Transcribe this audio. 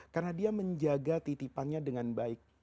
karena dia menjaga titipannya dengan baik